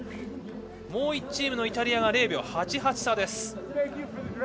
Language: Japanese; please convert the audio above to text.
もう１チームのイタリアが０秒８８差です。